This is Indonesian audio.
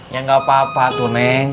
ya gapapa tuh neng